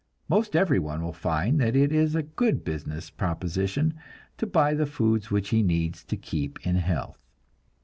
Most everyone will find that it is a good business proposition to buy the foods which he needs to keep in health.